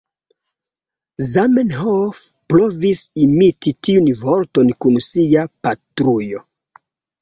Zamenhof provis imiti tiun vorton kun sia "patrujo".